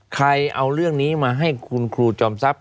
เอาเรื่องนี้มาให้คุณครูจอมทรัพย